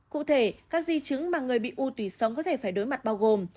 cụ thể các di chứng mà người bị u tủy sống có thể phải đối mặt bao gồm